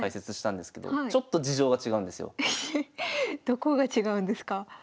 どこが違うんですか？